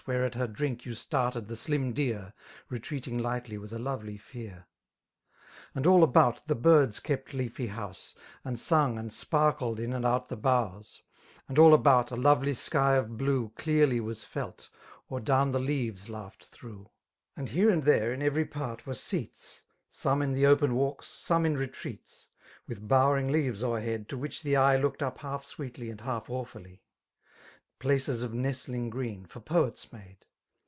Where at her drink you started the slim deer> Retreating lightly with a lovely fear. And all about, the birds kept leafy house, ^ud sung and sparkled in and out the boughs ; And all about, a lovely sky of blue Clearly was felt, or down the leaves laughed through ; F2 68 And here and tbere, in every port, were 8eaEl8> Some in the open walks^ some in retreats; . With bowering leares o'erhead> to nrldch die eye Looked up half sweetly and half awfully,—* Places of nestling green^ for poets made.